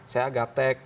saya agap tek